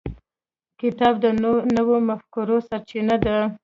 کتاب د نوو مفکورو سرچینه ده.